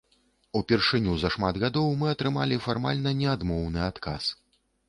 Упершыню за шмат гадоў мы атрымалі фармальна не адмоўны адказ.